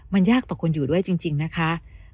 มันยากต่อคนอยู่ด้วยจริงนะคะ